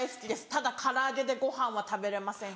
ただ唐揚げでご飯は食べれません。